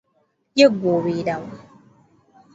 Ye ggwe obeera wa?